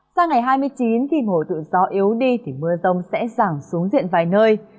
sang ngày hai mươi chín khi mùa tự gió yếu đi thì mưa rông sẽ giảm xuống diện vài nơi